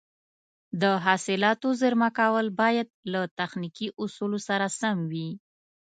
د حاصلاتو زېرمه کول باید له تخنیکي اصولو سره سم وي.